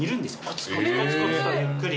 コツコツコツコツとゆっくり。